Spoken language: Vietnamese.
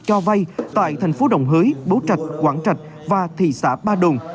cho vay tại thành phố đồng hới bố trạch quảng trạch và thị xã ba đồn